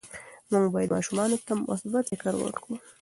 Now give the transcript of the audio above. موږ باید ماشومانو ته مثبت فکر ورکړو.